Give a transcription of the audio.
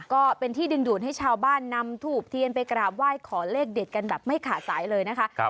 ก็เป็นที่ดึงดูดให้ชาวบ้านนำถูบเทียนไปกราบไหว้ขอเลขเด็ดกันแบบไม่ขาดสายเลยนะคะ